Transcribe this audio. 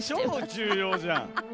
超重要じゃん！